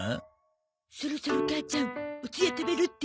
そろそろ母ちゃんおつや食べる？って言うかな？